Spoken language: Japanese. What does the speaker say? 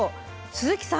鈴木さん。